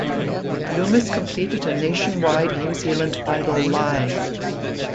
Lummis completed a nationwide New Zealand Idol Live!